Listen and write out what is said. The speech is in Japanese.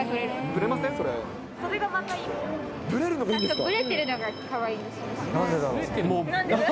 ぶれてるのがかわいいんです。